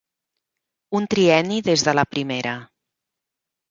Un trienni des de la primera.